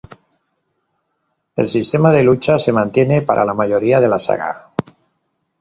El sistema de lucha se mantiene para la mayoría de la saga.